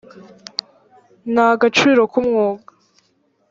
ni agaciro k’umwuga